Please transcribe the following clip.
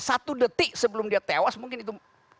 satu detik sebelum dia tewas mungkin itu